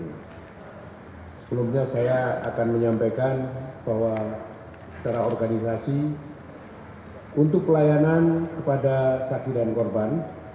sebelumnya saya akan menyampaikan bahwa secara organisasi untuk pelayanan kepada saksi dan korban